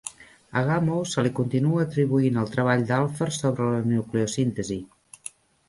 A Gamow se li continua atribuint el treball d'Alpher sobre la nucleosíntesi.